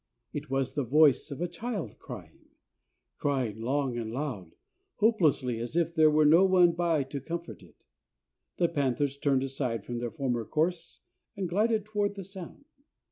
It was the voice of a child crying, crying long and loud, hopelessly, as if there were no one by to comfort it. The panthers turned aside from their former course and glided toward the sound.